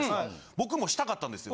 僕もしたかったんですよ。